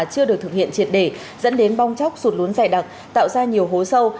chưa được thực hiện triệt đề dẫn đến bong chóc sụt lún dài đặc tạo ra nhiều hố sâu